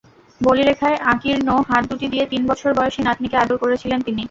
বলিরেখায় আকীর্ণ হাত দুটি দিয়ে তিন বছর বয়সী নাতনিকে আদর করছিলেন তিনি।